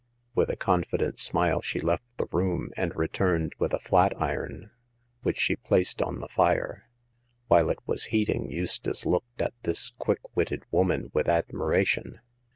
With a confident smile she left the room and returned with a flat iron, which she placed on the fire. While it was heating Eustace looked at this quick witted woman with admiration.